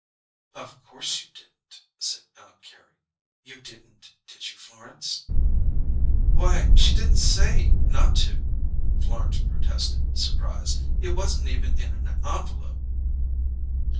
"Of course you didn't," said Aunt Carrie. "You didn't, did you, Florence?" "Why, she didn't say not to," Florence protested, surprised. "It wasn't even in an envelope."